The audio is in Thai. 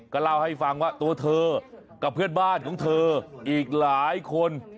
ก็เล่าให้ฟังว่าตัวเธอกับเพื่อนบ้านของเธออีกหลายคน